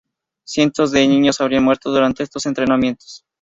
Cientos de niños habrían muerto durante estos entrenamientos.